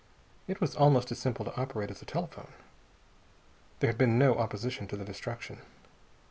It was almost as simple to operate as a telephone. There had been no opposition to the destruction.